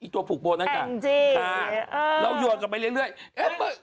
ตัวผูกโบนนั่นค่ะค่ะเรายวนกลับไปเรื่องเอ๊ะมึง